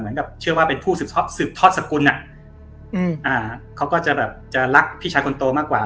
เหมือนกับเชื่อว่าเป็นผู้สืบทอดสกุลอ่ะอืมอ่าเขาก็จะแบบจะรักพี่ชายคนโตมากกว่า